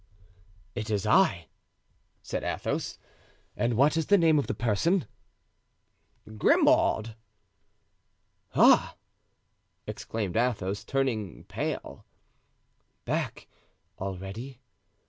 "It is I," said Athos, "and what is the name of the person?" "Grimaud." "Ah!" exclaimed Athos, turning pale. "Back already!